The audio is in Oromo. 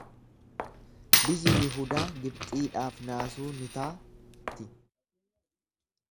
Biyyi Yihudaa Gibxiidhaaf naasuu ni ta'ti.